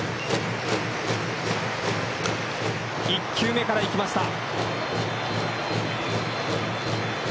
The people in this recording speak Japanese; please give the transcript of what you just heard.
１球目から行きました。